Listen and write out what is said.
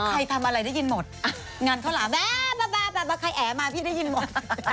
อ๋อใครทำอะไรได้ยินหมดงานเข้าหลามแป๊บใครแอ๋มาพี่ได้ยินหมด